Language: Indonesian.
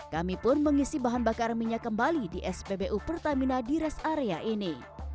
kami pun mengisi bahan bakar minyak kembali di spbu pertamina di rest area ini